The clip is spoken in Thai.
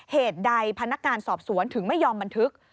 เหตุใดพนักงานสอบสวนถึงไม่ยอมบันทึก